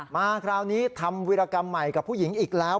มาคราวนี้ทำวิรากรรมใหม่กับผู้หญิงอีกแล้ว